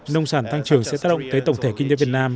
nông sản tăng trưởng sẽ tác động tới tổng thể kinh tế việt nam